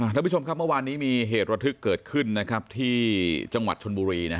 ท่านผู้ชมครับเมื่อวานนี้มีเหตุระทึกเกิดขึ้นนะครับที่จังหวัดชนบุรี